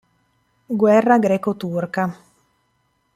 Guerra greco-turca